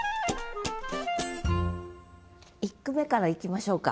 １句目からいきましょうか。